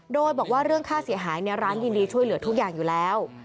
โดยบอกว่าเรื่องค่าเสียหายในร้านยินดีช่วยเหลือทุกอย่างอยู่แล้ว